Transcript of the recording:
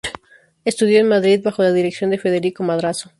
Estudió en Madrid bajo la dirección de Federico Madrazo.